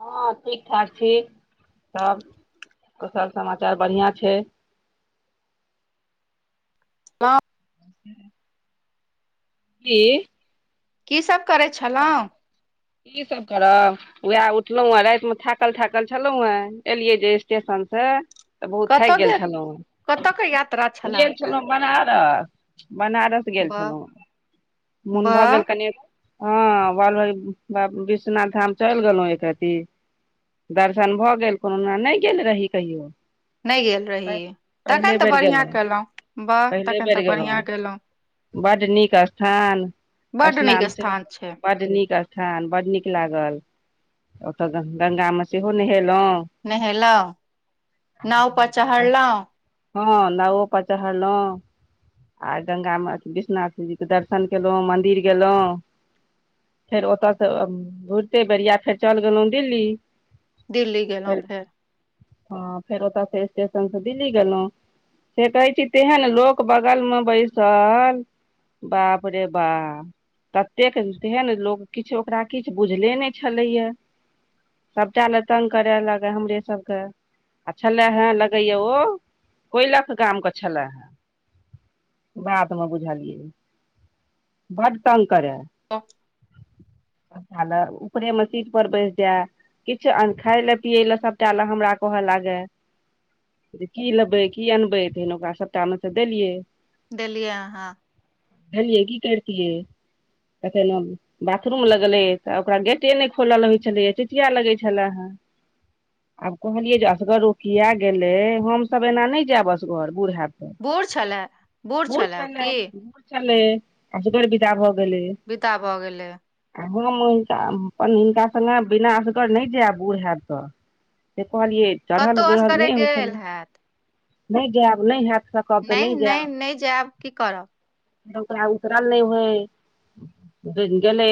हँ ठीक ठाक छी सब कुशल समाचार बढ़िया छैय। हँ। ह की? की सब करै की सब छलौं। की सब करब। उहे उठलौं हेँ रातिमे थाकल-थाकल छलौं हेँ एलियै जे स्टेशन से त बहुत थाकि गेल छलहुँ कतय के यात्रा छलए गेल अहाँके छलहुँ बनारस। बनारस गेल वाह छलहुँ मोन भ वाह गेल कनि हँ ब बाबा विश्वनाथ धाम चल गेलहुँ एक रति दर्शन भ गेल कोनोना नय गेल रही कहियो। नय गेल रही पहिले तखन त बेर बढ़िया गेलहुँ केलहुँ बाह तखनि त बढ़िया केलहुँं। बड नीक स्थान बड्ड नीक स्नान से स्थान छै बड नीक स्थान बड नीक लागल ओतऽ गंगामे सेहो नहेलौं नहेलौं, नाव परर धाम तऽ चहढ़लौं। हँ नाओ पर चहरलौं आर गंगा म विश्वनाथ जी के दर्शन केलों मंदिर गेलों। फेर ओतऽ स घुरते बेरिया फेर चल गेलहुँ दिल्ली। दिल्ली गेलौं फेर। हँ फेर ओतऽ से स्टेशन से दिल्ली गेलौं। से कहय छी तेहेन लोक बगलमे बैसल बाप रे बा। तेहन लोक किछ ओकरा किछ बुझले नय छलैया। सबटा ल तंग करे लगे हमरे सबके। आ छलै हे लगैया ओ कोयलख गाम के छलै हे बाद मे बुझलिय, बड तंग करै तऽ भाले उपरे मे सीट पर बैस जे- किछु अन्न खाय ले, पिये ले, सभटा ले, हमरा कह लागे। जे की लेबै, की अनबै, तहन ओकरा सभटा में स देलिय। देल लिए अहां। भेलिय की करतिये तखन हम बाथरूम लगलै, तऽ ओकरा गेटे नहि खोलल होय छलये, चिचिया लगै छले हें। आब कहलियै जे असगर ओ किये गेलय, हम सब एना नहि जायब असगर बुढ़ब हेब बूढ़ छले- बूढ़ छले ओ कि छलय असगर विदा भऽ गेल बिदा भऽ गेलय हम हुनका, अपन हुनका संगे, बिना असगर नहि जेब बुढ़ हेब त। से कहलियै, चढ़ल कतहु बढ़ल असगरे नहि होइ छलै, गेल हैत नहि जायब नहि हेत त नहि- नहि- नहि जायब की करब। ओकरा उतरल नहि होय गेलै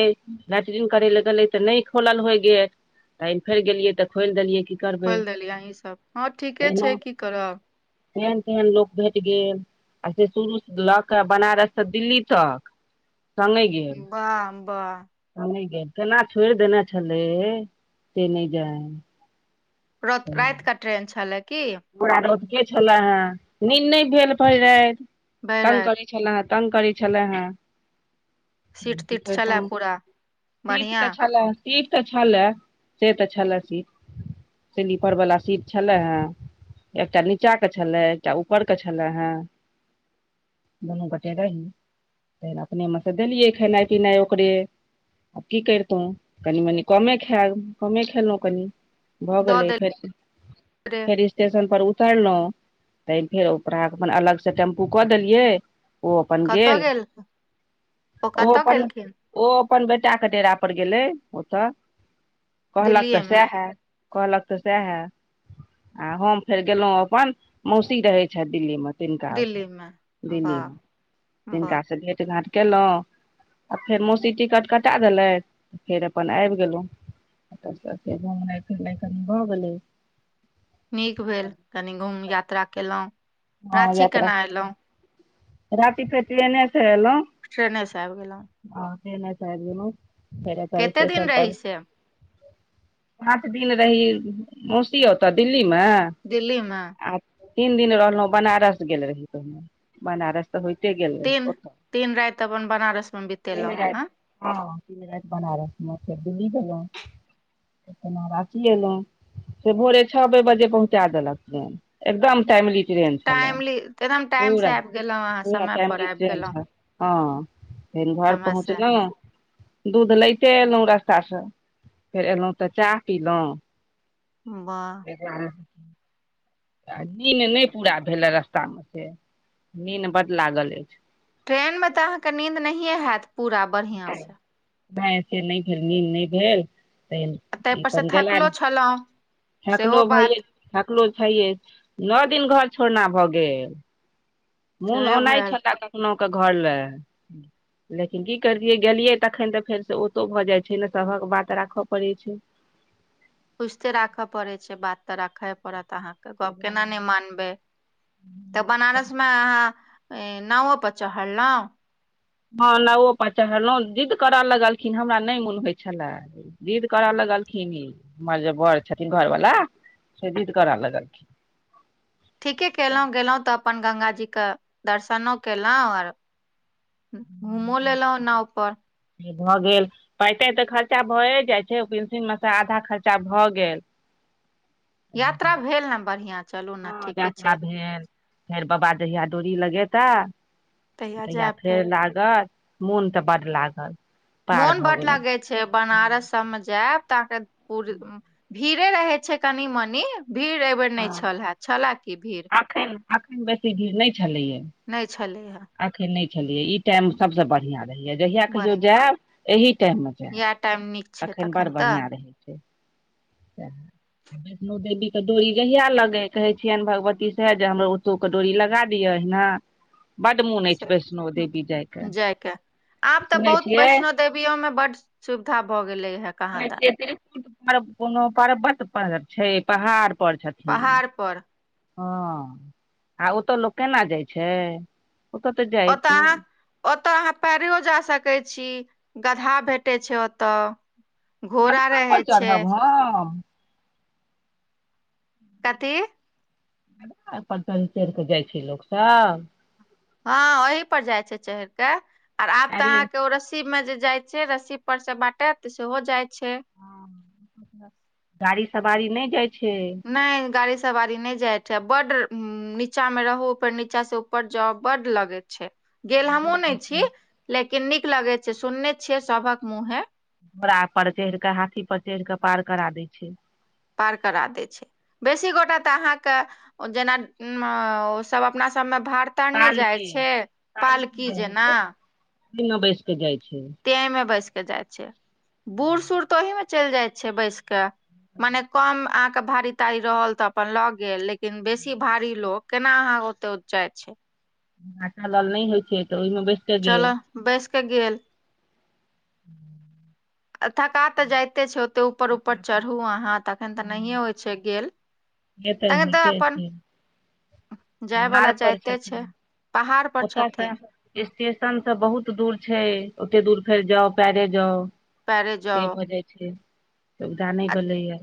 लेट्रिंग करै ले गेलै, तऽ नहि खोलल होय गेत तहन फेर गेलिय, तऽ खोलि देलियै की करबै खोलि देलियै अहीं सब, हँ ठीके छै की करब केहन तेहन लोक भेट गेल, आ से शुरू स लक बनारससँ दिल्ली तक संगे बाह- बाह नहि गेल, केना छोड़ि देने छलै, से नहि जाइ। रौत रात केऽ ट्रेन छलै की। हमरा रौतके छलें हे, नींद नहि भेल भरि राति, भरि तंग राति करे छले हे, तंग करै छले हें। सीट हम की तीट छलए करितों पूरा सीट बढ़िया त छलेह। सीट तऽ छलेह, से तऽ छले सीट, स्लीपर वाला सीट छलेह हं। एकटा नीचा के छले, एकटा ऊपर के छलै हें। दुनू गोटे रही, फेर अपने मे सँ देलियै, खेनाइ पिनाइ ओकरे आब की करितहुँ, कनि मनि कमे खैब कमे खेलहुँ कनि। भऽ दऽ गेलै, देल फेर रे स्टे स्टेशन पर उतरलहु, त फेर ओकरा अपन अलग स टेम्पू कऽ देलियै ओ अपन गेल, ओ कतऽ अपन गेलखिन ओ अपन बेटाके डेरा पर गेलै, ओतऽ कहलक दिल्लीए तऽ मे सैहै। कहलक त सेहे। आ हम फेर गेलहुँं, अपन मौसी रहै छथि, दिल्ली मे तिनका ओत, दिल्ली मे दिल्ली वाह में, वाह तिनका सेे त भेंट - घाट केलहुँ, आ फेर मौसी टिकट कटा देलथि, फेर अपन आबि गेलहुँ। ओत स फेर घुमनाइ- फिरनाइ कनी भऽ गेलै। नीक भेल, कनि घूम यात्रा केलहुँ। हँ राँची यात्रा, केना एलहुँ रांटी फेर ट्रेने से ऐलहुं। ट्रेने से आबि गेलहुँ। हँ से नहि च प कते दिन स्टेशन रही पर [unintelligible] से पाँच दिन रही मौसियों ओतऽ दिल्ली मे? दिल्लीमे, आ तीन दिन रहलहुँ बनारस गेल रही तमे। बनारस तऽ होइते गेल रहै। तीन तीन राति अपन बनारस मे बितेलहुँ अहाँ हँ परज बनारस म फ दिल्ी झल [unintelligible] तखन रांची एलहुँ, से भोरे छओे बजे पहुँचा देलक ट्रेन एकदम टाइमली ट्रेन। टाइमली एकदम टाइम से पूरा आबि गेलहुँ अहाँ पूरा समय पर टायमली आबि ट्रेन गेलहुँ छैल। हँ फेन घर समय से पहुँचलहुँ। दूध लैते अयलहुँ रस्तासँ फेर अलहुँ तऽ चाह पिलहुँ, बाह ह [inaudible] आ नींद नहि पूरा भेले रस्ता मे से नींद बड लागल अछि। ट्रेन मे त अहाँके नींद नहिये हैत पूरा, बढ़िआँसँ नहिऐसे नहि फिर नींद नहि भेल [unintelligible] त आ ई ताहिपर सँ अपन गेला थकलो छलहुँ सेहो फकलो भै बात [unintelligible] कलो छये नो दिन घर छोड़ना भऽ गेल। मोन सेहो ओनाइ भेल छलए कखनहुके घर लए, लेकिन की करलियै गेलियै तखन तऽ फेर से ओतो भऽ जाय छै ने सभक बात राखऽ पड़े छै। कुछते राखय पड़े छै बात तऽ राखे पड़त अहाँके, से गप केना बात नहि मानबै तऽ बनारस मे अहाँ? नावो पर चढ़लहुँ? हँ नाओपर चढ़लहुँ जिद्द करय लगलखिन हमरा नहि मोन होइत छलए। जिद करऽ लगलखिन ई हमर जे बर छथिन घरवला से जिद करऽ लगलखिन। ठीके कयलहुँ गेलहुँ तऽ अपन गंगा जीके दर्शनो कयलहुँ आओर घूमो लेलहु नाव पर, भऽ गेल। पैइ ताइ तऽ खर्चा भए जाइ छै पेंशनमे से आधा खर्चा भऽ गेल। यात्रा भेल ने बढ़ियां चलू ने हँ ठीके छै। यात्रा भेल फेर बाबा दहिया डोरी लगेता तहिया फेर ल, मोन तऽ बड्ड लागल, पार मोन भऽ बड गेलहुँ लगै छै बनारस सबमे जायब तऽ अहके पू, भीड़े रहै छै कनि मनी भीड़ एहिबेर नहि हँ छल हे छलए की भीड़? एखन अखन बेसी भीड़ नहि छलैया। नहि छलै हे। अखन नहि छलियै ई टाइम सभसँ बढ़िआँ रहैयए जहियआ कहियो जायब एहि टाइममे जायब। त नीक [unintelligible] एखन बड़ तऽ बढ़िआँ रहै छैए। वैष्णो देवी के डोरी गहिया लगे कहे छियनि भगवती से जे हमरो ओतो के डोरी लगा दिय ने, बड मोन से अछि वैष्णो हम्म, देवी जायके आब तऽ सुनै बहुत छियै। वैष्णो देवियो मे बड सुविधा भऽ गेले हे। कहाँ दन त्रिकुट पर् कोनो पर्वत छै पहाड़ पर छथिन। ठीक पहाड़ पर हँ आ ओतऽ लोक केना जाइ छै। ओतऽ तऽ ओतऽ जाइत अहाँ, ओतऽ अहाँ पैरेओ जा सकै छी गदहा भेटै छै ओतऽ। घोड़ा गदहा रहै पर छै। चढ़ब हम कथी? वेएह पर चढ़ि - चढ़ि कऽ जाइ छै लोक सब। हँ ओही पर जाय छै चहैर के आर आब तऽ अरे अहाँके ओ रस् रस्सी मे जे जाय छै रस्सी पर से बाटे त सेहो जाय छै। हँ गाड़ी सवारी नै जाइ छै। नै गाड़ी सवारी नै जाइ छै आ बड्ड उम नीचां मे रहू फेर नीचां से उपर जाउ बड्ड लगै छै। गेल भाग हमहुँ नै लगै छी छै लेकिन नीक लगै छै सुनने छियै सभक मुँहे। घोड़ा पर चढ़ि के हाथी पर चढ़ि के पार करा दै छै। पार करा दै छै। बेसी गोटा तऽ अहाँक ओ जेना मअ ओ सब अपना सबमे भार तार नै जाय पालके छै पालकी जेना ओही मे बैस के जाइ छै। तें में बैस के जाय छै बूढ़ - सूढ़ त ओही मे चलि जाय छै बैस के मने कम अहाॅंके भारी तारी रहल त अपन ल‌ऽ गेल लेकिन बेसी भारी लोक केना अहाँ ओते उच जाय छै। जेकरा चलल नै होइ छै त ओइमे बैस कऽ गेल चलऽ बैस कऽ गेल। हूँ थका तऽ जायते छै ओते उपर - उपर चढ़ू अहाँ तखन तऽ हँ, नहिये होइ छै गेल। से तऽ तखन नीके अपन छै। जाय पहाड़ बला पर जाइते छै छथिन पहाड़ पर ओतयसँ छथिन। स्टेशन से बहुत दूर छै ओते दूर फेर जाउ पैरे जाउ। पैरे से जाउ भऽ जाइ छै सुविधा नै आ भेलैये।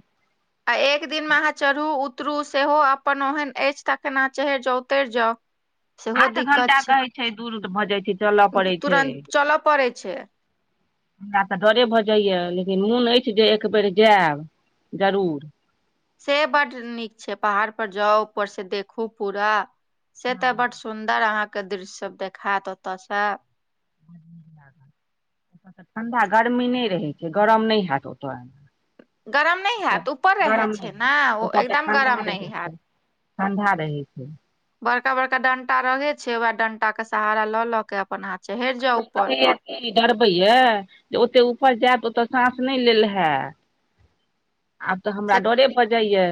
आ एक दिन में अहाँ चढ़ू उतरू सेहो अपन ओहेन अइछ तखैन अहाँ चहैर जाउ उतैर जाउ। [inaudible] सेहो आठ दिक्कत घंटा कहै छै दूर भऽ जाइ छै चलऽ पड़ै छै। तुरन्त चलय पड़ै छै हमरा तऽ डरे भऽ जाइये लेकिन मुन अइछ जे एकबेर जाएब जरूर। से बड्ड नीक छै पहाड़ पर जाउ उपर से देखू पूरा, से हँ तऽ बड्ड सुन्दर सुन्दर अहाँ क दृश्य सब देखाएत ओतऽ से। तऽ ठंढ़ा गर्मी नै रहै छै गरम नै हेएत ओतऽ। गरम नहि हैत ऊपर रहे गरम नै छै ने ओ ओतऽ त एकदम ठंढ़ा गरम नहि रहै छै। हैत ठंढ़ा रहै छै। बड़का- बड़का डंटा रहै छै उएह डंटा के सहारा लऽ लऽ के अपन अहां चहरि जाउ उपर। इ डरबैये जे ओते उपर जाएब त ओतऽ साँस नै लेल हेएत। आब त हमरा से डरे भऽ जाइये।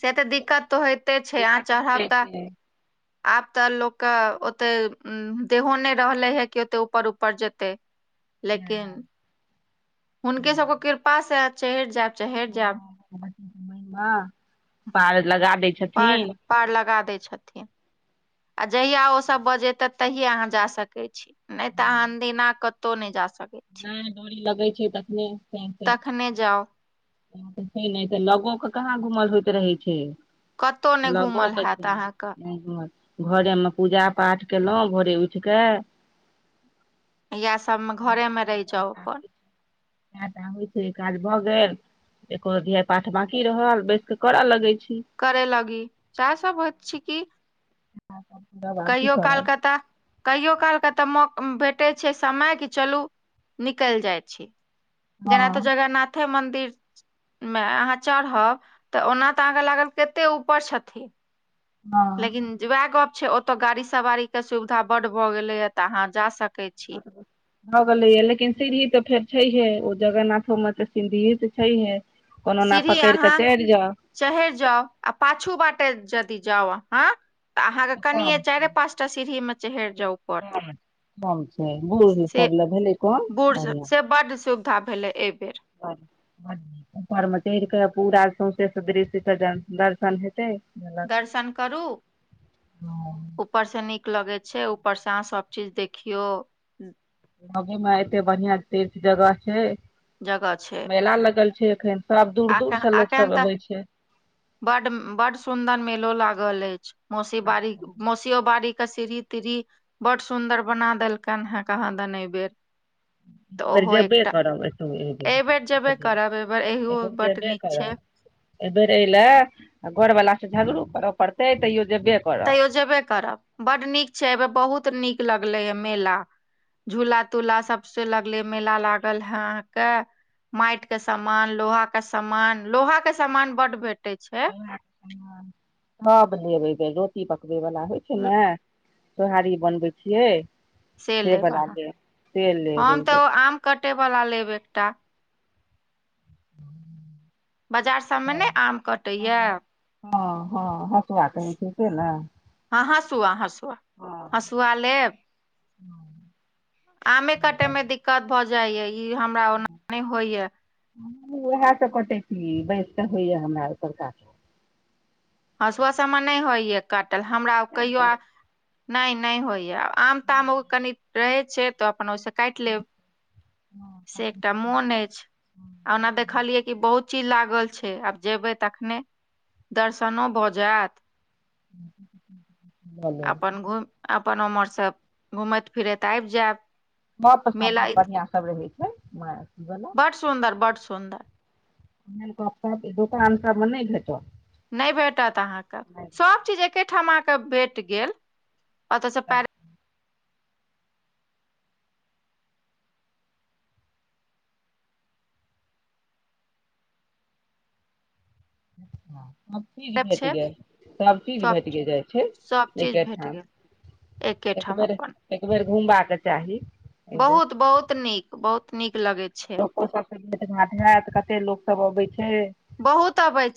से ते दिक्कत तऽ होइते छै अहाँ भऽ चढ़ब जाइ तऽ छै आब तऽ लोक कऽ ओते उम्म देहो नै रहलै हे की ओते ऊपर-ऊपर जेतै। लेकिन हुनके सबके कृपा से चहरि जेएब चहरि जेएब। हँ पार लगा दै। पार छथिन पार लगा दै छथिन आ जहिया ओ सब बजेतैथ तहिये अहाँ जा सकै छी। नै तऽ अहाँ अनदिना कतौ नै जा सकै छी नहि डोरी लगै छै तखने। तखने जाउ। इहाए तऽ छै नै तऽ लगो कऽ कहाँ घूमल होएत रहै छै। कतहु नहि लगो घूमल कऽ छै हैत अहाँके नै हिम्मत घरे मे पूजा-पाठ केलौ भोरे उठ कऽ। याएह सब मे घरे मे रैह जाउ अपन। आय तऽ आबै छै, काज भऽ गेल। एको अध्याय पाठ बाकी रहल बैस कऽ करऽ लगै छी। करै लगी साएह सब होएत छै की। [unintelligible] कहियो काल करब कऽ तऽ कहियो काल कऽ तऽ मौ भेटै छै समय कि चलु निकैल जाय छी। हँ जेना तऽ जगन्नाथे मन्दिर मे अहाँ चढ़हब तऽ ओना तऽ अहाँके लागल कते ऊपर छथि। हँ लेकिन जे वाएह गप छै ओ तो गाड़ी सवारी के सुविधा बड भऽ गेलैया तऽ अहाँ जा सकै छी। भऽ गलैया लेकिन सीढ़ी तऽ फेर छैहये ओ जगन्नाथो मे तऽ सीढ़ी तऽ छैहये। सीढ़ी अहाँ चहैर जाउ आ पाछू बाटे जदि जाउ अहाँ। तऽ अहाँ के कनिये काम चाएरे छै पाँचटा सीढ़ी मे चहैर जाउ ऊपर कम छै बूढ़ से सब लए भेलै कम बूढ़ स बढ़िआँ से बड सुविधा भेलै। एबेर। [unintelligible] ऊपर मे चैढ़ कऽ पूरा सौंसे सदृश्य के दर दर्शन हेतै। झलक दर्शन करू ऊ पर से नीक लगै छै, ऊपर से अहाँ सब चीज देखियौ। लगे मे एते बढ़ियां तीर्थ जगह छै, जगह छै मेला लगल छै एखैन। सब दूर-दूर अखन सऽ लोक अखन सब तऽ अबै छै। बड उम्म बड सुन्दर मेलो लागल एछ, मौसी बारी मौसी तियौ बाड़ी कऽ सीढ़ी-तीढ़ी बड सुन्दर बना देलकैन हें कहाँ दन नै एबेर। एबेर जेब्बे करब एतौ एहि बेर एबेर जेबे [unintelligible] करब एहि बेर इहो एबेर बड जेबै नीक छै करब। एबेर एयलै आ घरवला से झगड़ो करऽ पड़तै तैयो जेब्बे तैयो जेबे करब बड नीक छै, एबेर बहुत नीक लगलैया मेला। झूला-तूला सबसे लगले मेला लागल हें अहाँके। मेएट के समान, लोहा का समान, लोहा के समान बड भेटै छै। थब लेब एबेर रोटी पकबै वला होय छै नै। सोहारी बनबै छियै। से लेब बला अहाँ तेल लेब हम एहि तऽ ओ बेर आम कटे वला लेब एकटा। बजार सब मे नै आम कटैया। हां-हां हसुआ कहै छै से ने। हां हसुआ-हसुआ। हँ हसुआ लेब आमे से काटे लऽ मे लेब। दिक कत भ जायया, ई हमरा ओना नै होयया। हमु उहाए से कटै छी बैस के होयया हमरा ओय पर काटल। हँसुआ से हमरा नै होइए काटल हमरा ओ कहियो नै नै होइए। आम ताम ओ कनी रहे छै त अपन ओइसे काटि लेब से एकटा मोन अछि, ओना देखलियै की बहुत चीज लागल छै, आब जेबै तखने दर्शनो भ जायत [inaudible] लेब अपन घुम अपन उमहर से घूमैत फिरैत आबि जायब। नब पर सब मेला बड़ इत- बढ़िया सब रहै छै म अथि वला। बड सुन्दर बड सुन्दर। एहन कप सब ऐ दुकान सब मे नै भेटत। नहि भेटत अहाँ के, सब चीज एकेठाम अहाँ के भेट गेल, ओतऽ से पैरे हाँ। सब चीज भेट छै गेल, सब चीज सभ भेटीये जाय छै सभ चीज एके भेट ठाम। गेल एकेठाम। एक बेर, अपन एक बेर घुमबाक के चाही। बेर बहुत बहुत नीक बहुत नीक लगैत छै लोको सब से भेट घाट हैत, कते लोक सब अबै छै। बहुत अबै छै।